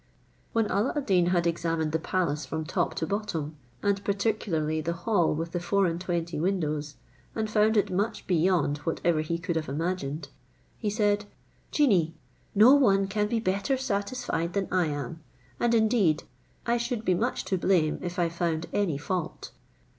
When Alla ad Deen had examined the palace from top to bottom, and particularly the hall with the four and twenty windows, and found it much beyond whatever he could have imagined, he said, "Genie, no one can be better satisfied than I am; and indeed I should be much to blame if I found any fault.